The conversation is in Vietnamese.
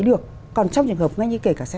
được còn trong trường hợp ngay như kể cả xe